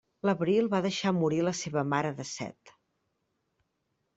L'abril va deixar morir la seva mare de set.